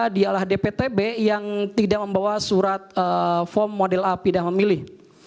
dialah dptb yang tidak membawa surat form model api dan memilih